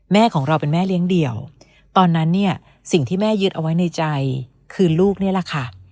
แม่ของเราเป็นแม่เลี้ยงเดี่ยวตอนนั้นเนี่ยสิ่งที่แม่ยึดเอาไว้ในใจคือลูกนี่แหละค่ะ